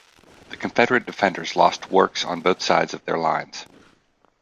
The Confederate defenders lost works on both sides of their lines.